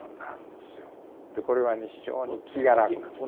これはね非常に気が楽なんですね。